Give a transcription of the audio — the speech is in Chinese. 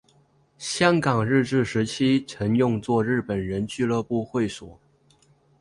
香港日治时期曾用作日本人俱乐部会所。